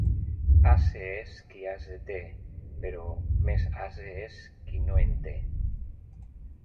Ase és qui ase té, però més ase és qui no en té.